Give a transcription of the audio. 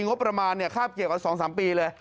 งบประมาณคาบเกี่ยวกับ๒๓ปีเลย